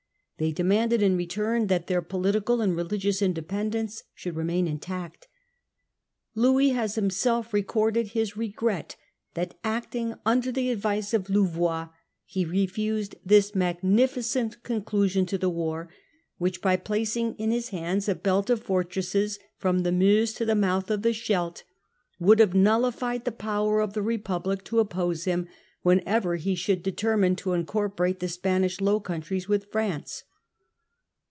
They demanded in return that their political and religious in dependence should remain intact. Louis has himself re in con corded his regret that, acting under the advice of sidered Louvois, he refused this magnificent conclusion thi e Dutch >f t0 war > whfch* by placing in his hands a oflereby belt of fortresses from the Meuse to the mouth Louis. 0 f ^ Scheldt, would have nullified the power of the Republic to oppose him whenever he should 1672. Resolution of William, 213 determine to incorporate the Spanish Low Countries with France.